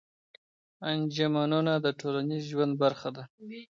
انجمنونه د ټولنيز ژوند برخه ده.